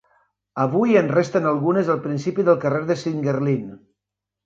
Avui en resten algunes al principi del carrer de Singuerlín.